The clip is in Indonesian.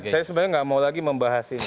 saya sebenarnya nggak mau lagi membahas ini